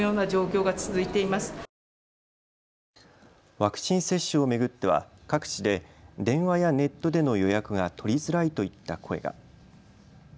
ワクチン接種を巡っては各地で電話やネットでの予約が取りづらいといった声が。